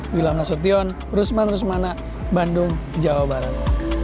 wilam nasution rusman rusmana bandung jawa barat